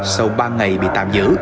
sau ba ngày bị tạm giữ